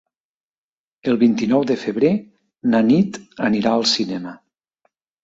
El vint-i-nou de febrer na Nit anirà al cinema.